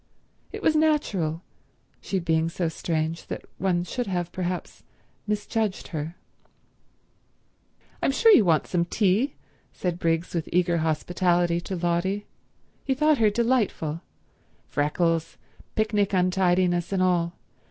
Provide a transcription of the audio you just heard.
It was natural, she being so strange, that one should have, perhaps, misjudged her. .. "I'm sure you want some tea," said Briggs with eager hospitality to Lotty. He thought her delightful,—freckles, picnic untidiness and all.